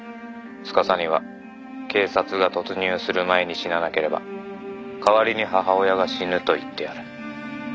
「司には警察が突入する前に死ななければ代わりに母親が死ぬと言ってある」